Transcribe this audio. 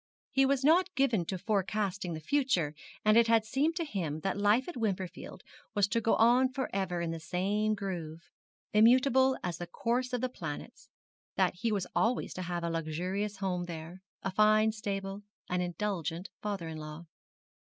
He was not given to forecasting the future, and it had seemed to him that life at Wimperfield was to go on for ever in the same groove immutable as the course of the planets; that he was always to have a luxurious home there a fine stable an indulgent father in law.